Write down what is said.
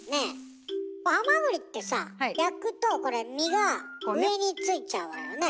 ハマグリってさ焼くとこれ身が上についちゃうわよね。